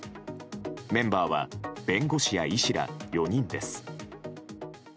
メンバーは弁護士や医師ら４人です。